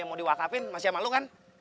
yang mau diwakafin masih sama lo kan